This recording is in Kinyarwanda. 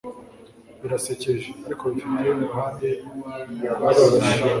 birasekeje, ariko bifite uruhande rwababaje